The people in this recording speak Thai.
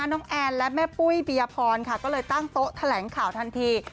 น้องแอลแม่ปุ้ยเปยรภรก็เลยตั้งโต๊ะแถลงข่าวทันที